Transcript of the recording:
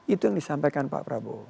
itu yang disampaikan pak prabowo